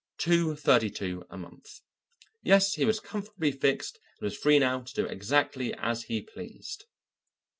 Two thirty two a month. Yes, he was comfortably fixed and was free now to do exactly as he pleased.